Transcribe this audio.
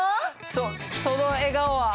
そその笑顔は！